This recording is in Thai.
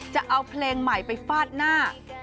จะเอาเพลงใหม่ไปฟาดหน้า